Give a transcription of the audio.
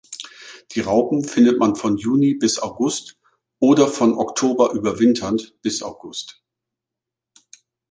Die Raupen findet man von Juni bis August oder von Oktober überwinternd bis August.